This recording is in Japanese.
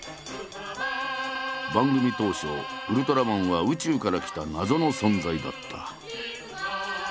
番組当初ウルトラマンは宇宙から来た謎の存在だった。